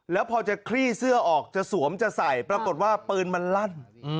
แล้วพอจะคลี่เสื้อออกจะสวมจะใส่ปรากฏว่าปืนมันลั่น